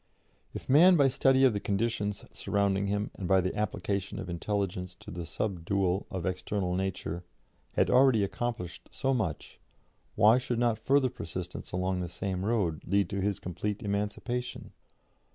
If man by study of the conditions surrounding him and by the application of intelligence to the subdual of external nature, had already accomplished so much, why should not further persistence along the same road lead to his complete emancipation?